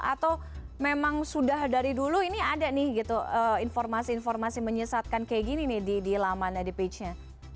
atau memang sudah dari dulu ini ada nih gitu informasi informasi menyesatkan kayak gini nih di lamannya di page nya